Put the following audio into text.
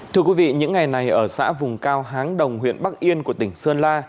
thưa quý vị những ngày này ở xã vùng cao háng đồng huyện bắc yên của tỉnh sơn la